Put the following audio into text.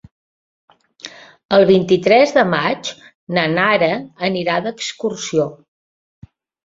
El vint-i-tres de maig na Nara anirà d'excursió.